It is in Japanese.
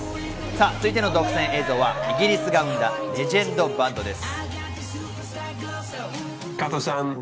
続いての独占映像はイギリスが生んだ、レジェンドバンドです。